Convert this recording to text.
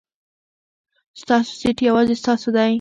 ستاسو سېټ یوازې ستاسو دی.